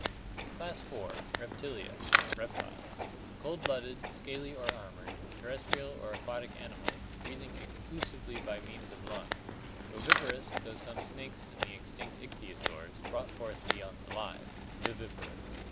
Class IV. Reptilia (Lat. repere, to crawl). Reptiles. Cold blooded, scaly or armored, terrestrial or aquatic animals, breathing exclusively by means of lungs. Oviparous, though some snakes and the extinct ichthyosaurs brought forth the young alive (viviparous).